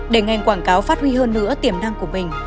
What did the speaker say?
để ngành quảng cáo phát huy hơn nữa tiềm năng của mình